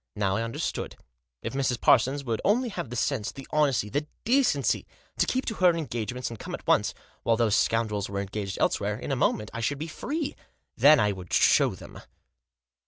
Now I understood. If Mrs. Parsons would only have the sense, the honesty, the decency, to keep to her engagements and come at once, while those scoundrels were engaged elsewhere, in a moment I should be free. Then I would show them.